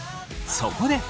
そこで。